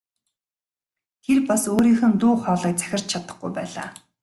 Тэр бас өөрийнхөө дуу хоолойг захирч чадахгүй байлаа.